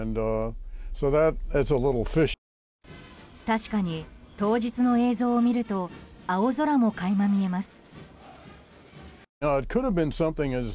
確かに当日の映像を見ると青空も垣間見えます。